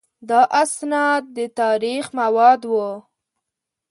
دا اسناد د تاریخ مواد وو.